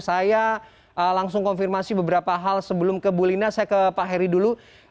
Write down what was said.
saya langsung konfirmasi beberapa hal sebelum ke bu lina saya ke pak heri dulu